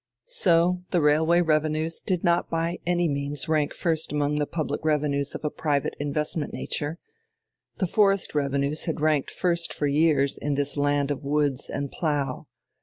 So the railway revenues did not by any means rank first among the public revenues of a private investment nature; the forest revenues had ranked first for years in this land of woods and plough.